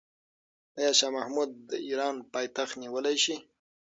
آیا شاه محمود د ایران پایتخت نیولی شي؟